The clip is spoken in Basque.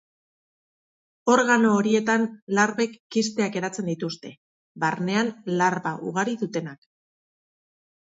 Organo horietan larbek kisteak eratzen dituzte, barnean larba ugari dutenak.